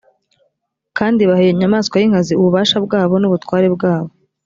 kandi baha iyo nyamaswa y inkazi ububasha bwabo n ubutware bwabo